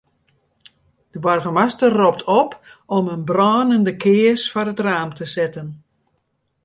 De boargemaster ropt op om in brânende kears foar it raam te setten.